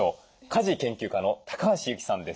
家事研究家の橋ゆきさんです。